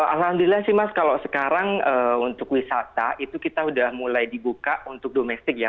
alhamdulillah sih mas kalau sekarang untuk wisata itu kita sudah mulai dibuka